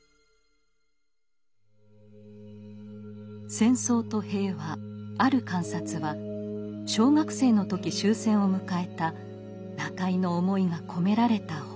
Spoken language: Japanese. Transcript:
「戦争と平和ある観察」は小学生の時終戦を迎えた中井の思いが込められた本。